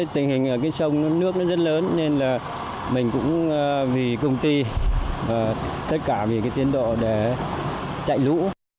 tình hình ở sông nước rất lớn nên mình cũng vì công ty và tất cả vì tiến độ để chạy lũ